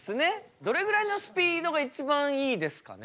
どれぐらいのスピードが一番いいですかね？